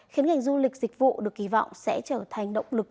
khiến ngành du lịch dịch vụ được kỳ vọng sẽ trở thành động lực